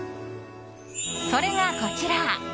それが、こちら！